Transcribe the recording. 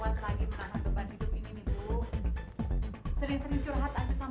sering sering curhat aja sama allah